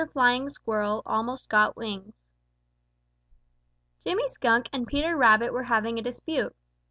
FLYING SQUIRREL ALMOST GOT WINGS Jimmy Skunk and Peter Rabbit were having a dispute.